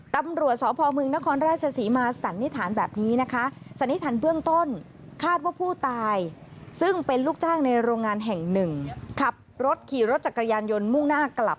ตำรวจสอบพลเมืองนครราชศรีมาสันนิษฐานแบบนี้นะคะ